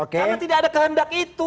karena tidak ada kehendak itu